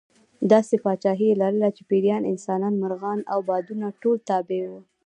داسې پاچاهي یې لرله چې پېریان، انسانان، مرغان او بادونه ټول تابع وو.